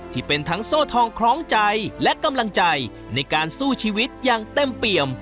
ที่เป็นทั้งโซ่ทองคล้องใจและกำลังใจในการสู้ชีวิตอย่างเต็มเปี่ยม